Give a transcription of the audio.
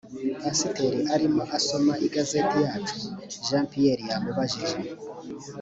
pasiteri arimo asoma igazeti yacu jean pierre yamubajije